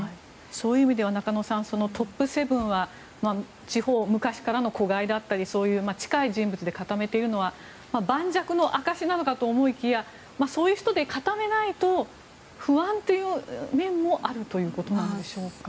そういう意味では中野さん、トップ７は昔からの子飼いだったり近い人物で固めているのは盤石の証しなのかと思いきやそういう人で固めないと不安という面もあるということでしょうか。